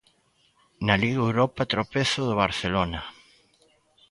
Na Liga Europa tropezo do Barcelona.